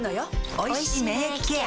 おいしい免疫ケア